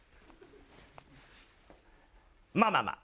まあまあまあ。